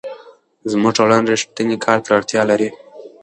زموږ ټولنه رښتیني کار ته اړتیا لري.